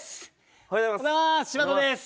おはようございます柴田です。